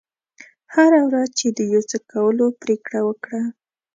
هره ورځ چې د یو څه کولو پرېکړه وکړه.